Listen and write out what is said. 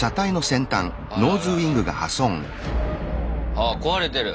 あ壊れてる。